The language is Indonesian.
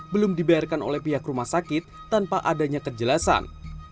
belum dibayarkan oleh pihak rumah sakit tanpa adanya kejelasan